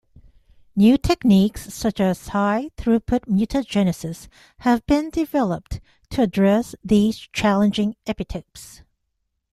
New techniques such as high-throughput mutagenesis have been developed to address these challenging epitopes.